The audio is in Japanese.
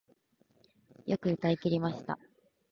よく歌い切りました